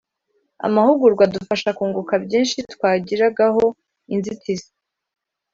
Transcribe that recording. amahugurwa adufasha kunguka byinshi twagiragaho inzitizi